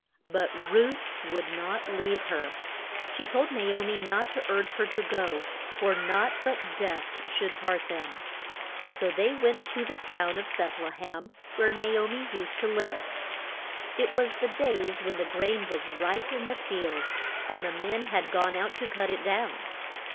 But Ruth would not leave her. She told Na o mi not to urge her to go, for nought but death should part them. [Illustration: RUTH AND NA O MI.] So they went to the town of Beth le hem where Na o mi used to live. It was the days when the grain was ripe in the fields, and the men had gone out to cut it down.